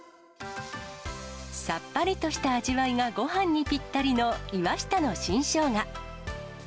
さっぱりとした味わいが、ごはんにぴったりの岩下の新生姜。